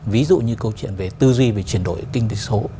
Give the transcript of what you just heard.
ví dụ như câu chuyện về tư duy về chuyển đổi kinh tế số